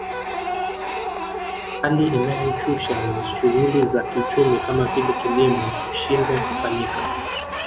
Hali inayoshusha shughuli za kiuchumi kama vile kilimo kushindwa kufanyika